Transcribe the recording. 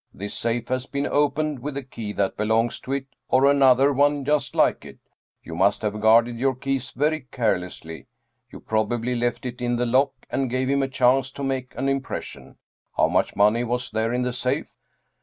This safe has been opened with the key that belongs to it or another one just like it. You must have guarded your keys very carelessly. You probably left it in the lock and gave him a chance to make an impres sion. How much money was there in the safe